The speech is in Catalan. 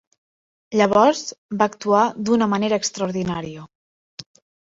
Llavors va actuar d'una manera extraordinària.